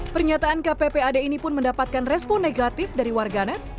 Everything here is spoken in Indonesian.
pernyataan kppad ini pun mendapatkan respon negatif dari warganet